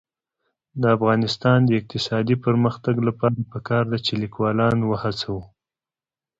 د افغانستان د اقتصادي پرمختګ لپاره پکار ده چې لیکوالان وهڅوو.